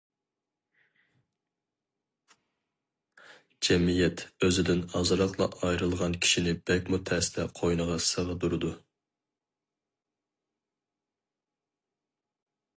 جەمئىيەت ئۆزىدىن ئازراقلا ئايرىلغان كىشىنى بەكمۇ تەستە قوينىغا سىغدۇرىدۇ.